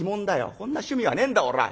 こんな趣味はねえんだ俺は。